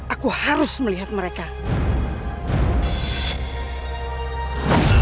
aku khawatir dia gagal menjaga jaket tingkir